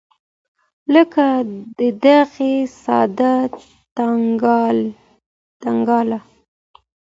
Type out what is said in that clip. لکه د هغې ساده تګلاره.